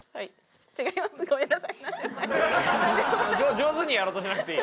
上手にやろうとしなくていい。